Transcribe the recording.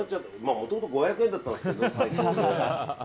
もともと５００円だったんですけど、サイコロで。